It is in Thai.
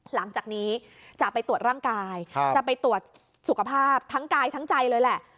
หลังจากนี้จะไปตรวจร่างกายจะไปตรวจสุขภาพทั้งกายทั้งใจเลยแหละ